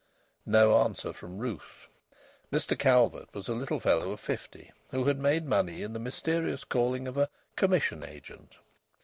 No answer from Ruth. Mr Calvert was a little fellow of fifty who had made money in the mysterious calling of a "commission agent."